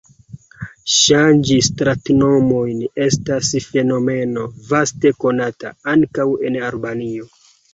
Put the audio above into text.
Ŝanĝi stratnomojn estas fenomeno vaste konata, ankaŭ en Albanio.